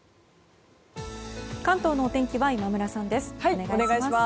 関東のお天気は今村さんです。